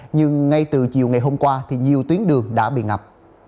nhưng ngay từ chiều ngày hôm qua thì nhiều tuyến đường đã bị ngập